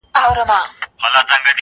دوو یارانو ته په سرو سترګو ګویا سو.!